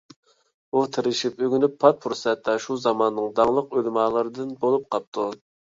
ئۇ تىرىشىپ ئۆگىنىپ، پات پۇرسەتتە شۇ زاماننىڭ داڭلىق ئۆلىمالىرىدىن بولۇپ قاپتۇ.